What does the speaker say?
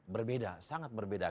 berbeda sangat berbeda